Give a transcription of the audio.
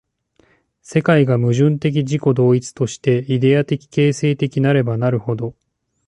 世界が矛盾的自己同一として、イデヤ的形成的なればなるほど、